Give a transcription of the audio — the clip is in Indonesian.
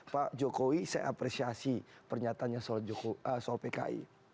pak jokowi saya apresiasi pernyatanya soal pki